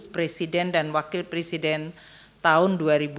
presiden dan wakil presiden tahun dua ribu dua puluh